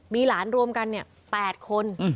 มีหลานรวมกัน๘คน